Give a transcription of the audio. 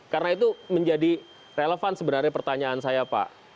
karena itu menjadi relevan sebenarnya pertanyaan saya pak